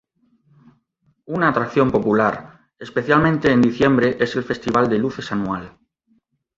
Una atracción popular, especialmente en diciembre es el Festival de Luces anual.